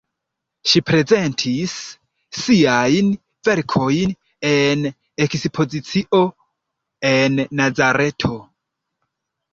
Ŝi prezentis siajn verkojn en ekspozicio en Nazareto.